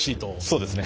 そうですね。